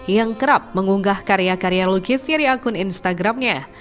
yang kerap mengunggah karya karya lukis dari akun instagramnya